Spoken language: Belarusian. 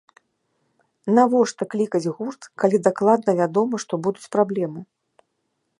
Навошта клікаць гурт, калі дакладна вядома, што будуць праблемы?